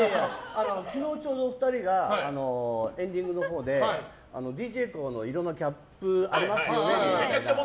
昨日ちょうどお二人がエンディングのほうでＤＪＫＯＯさんのキャップありますよね。